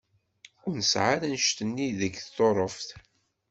Ur nesεa ara annect-nni deg Tuṛuft.